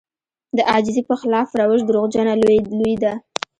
د عاجزي په خلاف روش دروغجنه لويي ده.